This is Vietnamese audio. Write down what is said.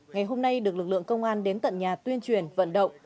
ngày hôm nay được lực lượng công an đến tận nhà tuyên truyền vận động